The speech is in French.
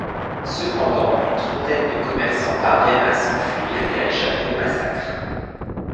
Cependant une trentaine de commerçants parviennent à s'enfuir et à échapper au massacre.